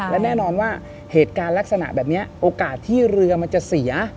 และแน่นอนว่าเหตุการณ์ลักษณะแบบนี้โอกาสที่เรือมันจะเสีย